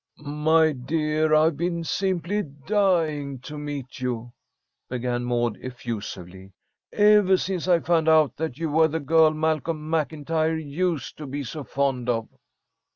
"My dear, I've been simply dying to meet you," began Maud, effusively. "Ever since I found out that you were the girl Malcolm MacIntyre used to be so fond of."